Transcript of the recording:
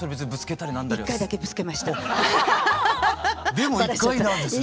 でも１回なんですね。